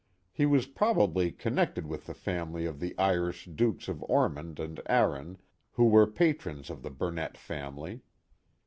He was probably connected with the family of the Irish dukes of Ormond and Arran, who were patrons of the Burnett family.